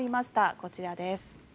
こちらです。